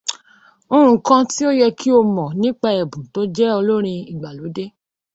Nǹkan tí ó yẹ ki o mọ̀ nípa Ẹ̀bùn tó jẹ́ olórin ìgbàlódé.